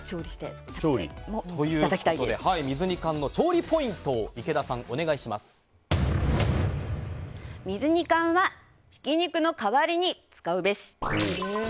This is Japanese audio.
水煮缶の調理ポイントを水煮缶はひき肉の代わりに使うべし！